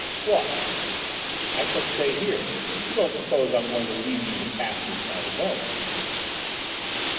"What?" "I shall stay here. You don't suppose I'm going to leave you to pass this night alone?"